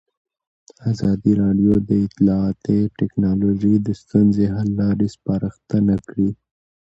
ازادي راډیو د اطلاعاتی تکنالوژي د ستونزو حل لارې سپارښتنې کړي.